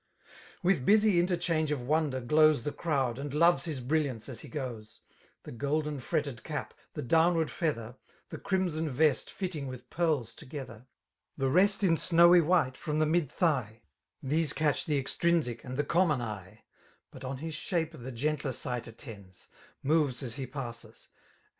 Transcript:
With busy interehsnige cf wonder glows The crqwdy and loves his briUianep as he goes^«< > The gqidenffiootted ci^, the dowarwiued feather, — The crimspn vast fitlhig wi^ pearis together^— » The re^t in momj white from the mid thigh: These catd^ the eiotrinsic and the eommcm eye : c 2 But on hi» Aupe the gentler sight attends^ Moves as he passes^— «s.